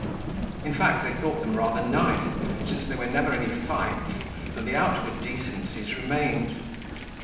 In fact, they thought them rather nice since there were never any fights and the outward decencies remained.